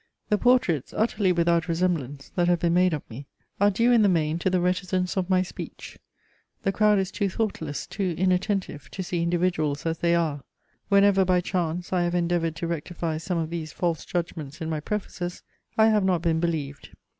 The portraits, utterly without resemblance, that have been made of me, are due in the main to the reticence of my speech. The crowd is too thoughtless, too inattentive, to see individuals as they are. Whenever, by chance, I have endeavoured to rectify some of these false judgments in my prefaces, I have not been believed.